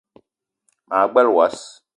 Ma gbele wass